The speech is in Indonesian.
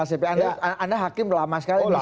anda hakim lama sekali